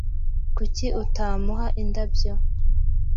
Kuki utamuha indabyo?